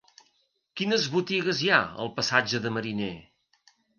Quines botigues hi ha al passatge de Mariné?